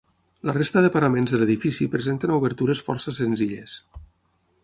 La resta de paraments de l'edifici presenten obertures força senzilles.